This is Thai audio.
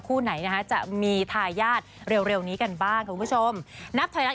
คู่ไหนจะมีทายาทเร็วนี้กันบ้างคุณผู้ชมนับถอยรัก